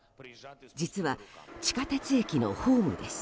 実は地下鉄駅のホームです。